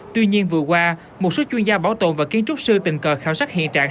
tuy nhiên vừa qua một số chuyên gia bảo tồn và kiến trúc sư tình cờ khảo sát hiện trạng